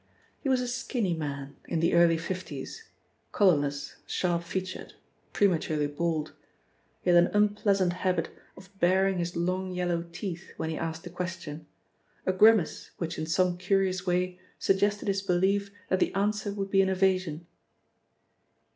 He was a skinny man, in the early fifties, colourless, sharp featured, prematurely bald. He had an unpleasant habit of baring his long yellow teeth when he asked a question, a grimace which in some curious way suggested his belief that the answer would be an evasion.